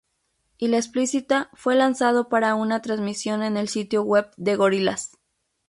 Y la explícita fue lanzado para una transmisión en el sitio web de Gorillaz.